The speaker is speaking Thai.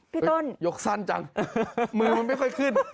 พี่ต้นยกสั้นจังมือมันไม่ค่อยขึ้น